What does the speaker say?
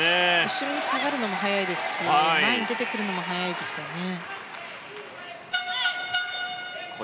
後ろに下がるのも速いですし前に出てくるのも速いですね。